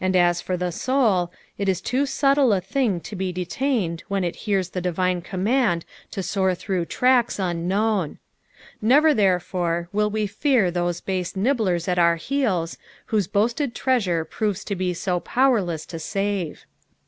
As for the soul, it is too subtle b thing to be detained when it hears the divine command to soar through tracks unknown. Never, therefore, will we fear those base nibblers at our heels, whose boasted treasure pfovea to bo so powerless to save.